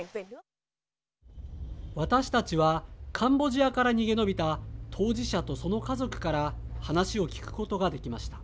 私たちは、カンボジアから逃げ延びた当事者とその家族から話を聞くことができました。